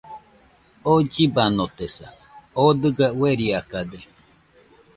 oo llibanotesa, oo dɨga ueriakade